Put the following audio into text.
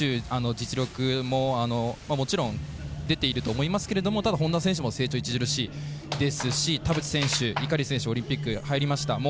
実力も、もちろん出ていると思いますけれども本多選手も成長著しいですし田渕選手、井狩選手もオリンピック入りました。